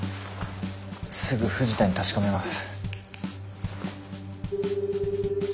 すぐ藤田に確かめます。